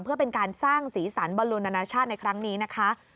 เพื่อเป็นการสร้างสีสันบอลลูนานาชาติในครั้งนี้นะคะ